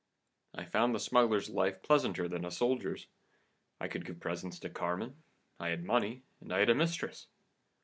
I found the smuggler's life pleasanter than a soldier's: I could give presents to Carmen, I had money, and I had a mistress.